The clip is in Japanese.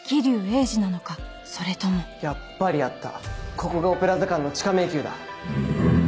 鋭治なのかそれともやっぱりあったここがオペラ座館の地下迷宮だ。